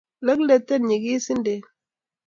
Lekleten nyigisindet